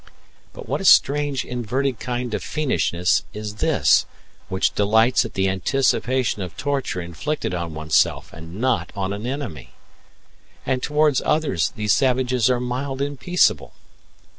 But what a strange inverted kind of fiendishness is this, which delights at the anticipation of torture inflicted on oneself and not on an enemy! And towards others these savages are mild and peaceable!